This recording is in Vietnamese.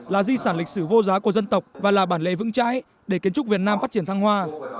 là di sản lịch sử vô giá của dân tộc và là bản lệ vững trái để kiến trúc việt nam phát triển thăng hoa